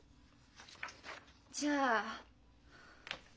じゃあ。